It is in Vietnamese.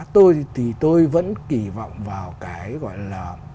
tôi thì tôi vẫn kỳ vọng vào cái gọi là